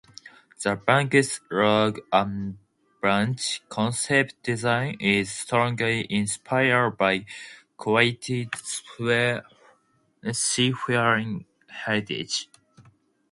The Bank's logo and branch concept design is strongly inspired by Kuwait's seafaring heritage.